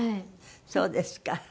そうですか。